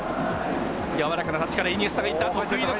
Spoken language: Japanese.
柔らかなタッチから、イニエスタがいった。